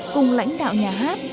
cùng lãnh đạo nhà hát